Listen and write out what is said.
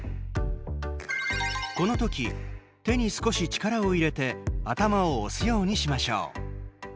この時、手に少し力を入れて頭を押すようにしましょう。